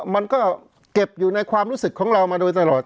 มันก็เก็บอยู่ในความรู้สึกของเรามาโดยตลอด